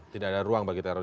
tidak ada ruang bagi teror